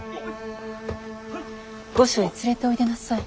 御所へ連れておいでなさい。